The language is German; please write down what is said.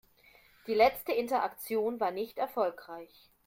Die letzte Interaktion war nicht erfolgreich.